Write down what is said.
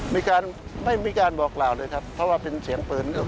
มีการไม่มีการบอกกล่าวเลยครับเพราะว่าเป็นเสียงปืน